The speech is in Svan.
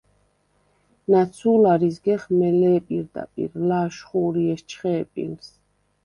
ნაცუ̄ლარ იზგეხ მელე̄ პირდაპირ, ლა̄შხუ̄რი ეჩხე̄ პილს.